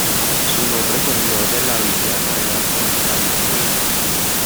Su nombre es en honor de la villana de Batman, Harley Quinn.